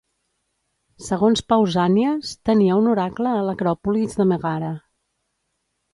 Segons Pausanias, tenia un oracle a l'acròpolis de Megara.